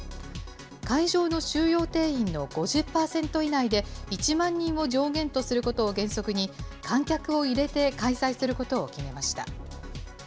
会場の収容定員の５０％以内で、１万人を上限とすることを原則に、観客を入れて開催することを決めました。